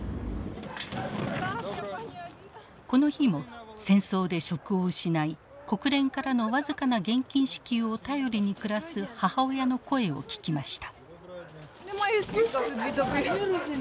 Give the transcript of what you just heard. この日も戦争で職を失い国連からの僅かな現金支給を頼りに暮らす母親の声を聞きました。